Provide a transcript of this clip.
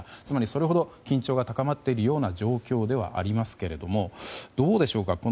つまりそれほど緊張が高まっている状況ではありますがどうでしょうか